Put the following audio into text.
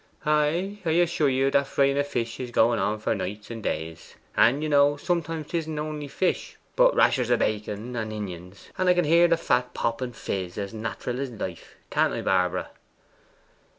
'Ay, I assure you that frying o' fish is going on for nights and days. And, you know, sometimes 'tisn't only fish, but rashers o' bacon and inions. Ay, I can hear the fat pop and fizz as nateral as life; can't I, Barbara?